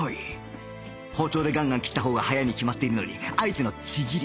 包丁でガンガン切ったほうが早いに決まっているのにあえてのちぎり